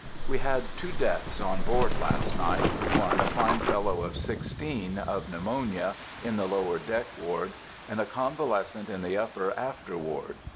We had two deaths on board last night,—one a fine fellow of sixteen, of pneumonia, in the lower deck ward, and a convalescent in the upper after ward.